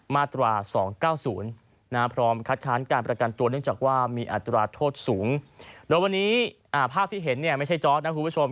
ก็เห็นไม่ใช่จอร์ธนะครับคุณผู้ชม